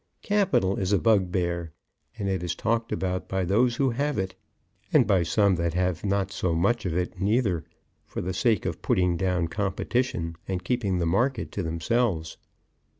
Capital is a bugbear; and it is talked about by those who have it, and by some that have not so much of it neither, for the sake of putting down competition, and keeping the market to themselves.